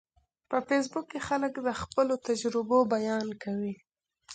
په فېسبوک کې خلک د خپلو تجربو بیان کوي